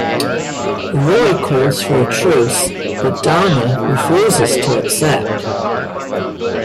Roy calls for a truce, but Dana refuses to accept.